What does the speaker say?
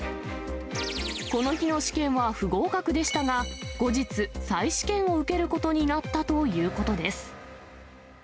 この日の試験は不合格でしたが、後日、再試験を受けることになったということです。